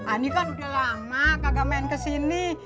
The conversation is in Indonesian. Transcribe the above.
ini kan udah lama kagak main kesini